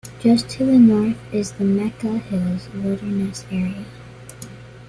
Just to the north is the Mecca Hills Wilderness Area.